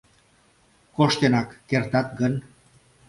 Коштенак кертат гын?